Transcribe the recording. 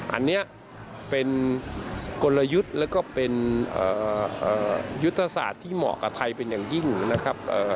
อันนี้เป็นกลยุทธ์แล้วก็เป็นยุทธศาสตร์ที่เหมาะกับไทยเป็นอย่างยิ่งนะครับ